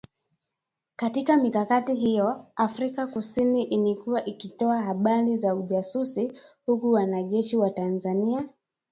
Katika mikakati hiyo Afrika kusini ilikuwa ikitoa habari za ujasusi huku wanajeshi wa Tanzania